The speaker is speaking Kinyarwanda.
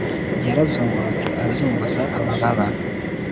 yarazungurutse azunguza amababa